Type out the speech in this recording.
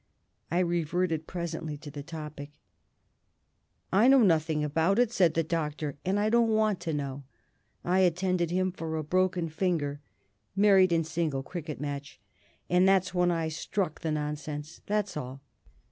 I reverted presently to the topic. "I know nothing about it," said the Doctor, "and I don't WANT to know. I attended him for a broken finger Married and Single cricket match and that's when I struck the nonsense. That's all.